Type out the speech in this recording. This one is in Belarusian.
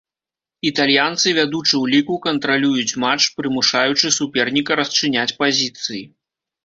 Італьянцы, вядучы ў ліку, кантралююць матч, прымушаючы суперніка расчыняць пазіцыі.